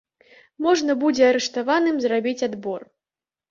Можна будзе арыштаваным зрабіць адбор.